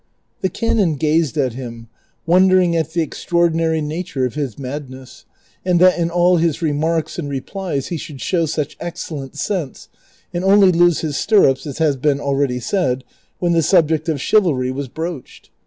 The canon gazed at him, Avondering at the extraordinary nature of his madness, and that in all his remarks and replies he should show such excellent sense, and only lose his stirrups, as has been already said, when the subject of chivalry was broached.